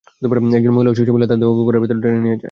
একজন মহিলা ও শিশু মিলে তার দেহ ঘরের ভেতরে টেনে নিয়ে যায়।